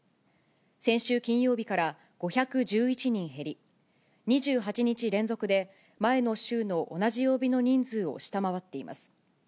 先週金曜日から５１１人減り、２８日連続で前の週の同じ曜日の人数を下回っています。